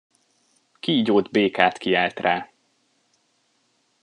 Kígyót-békát kiált rá.